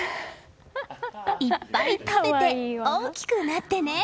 いっぱい食べて大きくなってね！